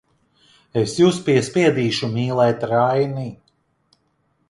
Es jūs piespiedīšu mīlēt Raini!